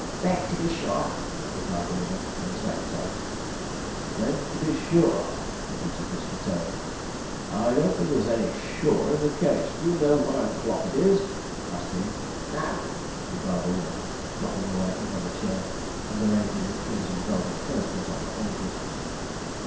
'Bed, to be sure,' replied the woman, in the same tone. [Illustration: MR. SPONGE'S RED COAT COMMANDS NO RESPECT] 'Bed, to be sure,' repeated Mr. Sponge. 'I don't think there's any 'sure' in the case. Do you know what o'clock it is?' asked he. 'No,' replied the woman, flopping away at another chair, and arranging the crimson velvet curtains on the holders.